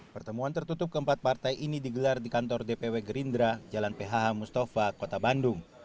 pertemuan tertutup keempat partai ini digelar di kantor dpw gerindra jalan ph mustafa kota bandung